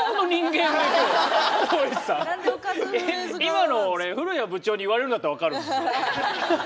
今の俺古谷部長に言われるんだったら分かるんです。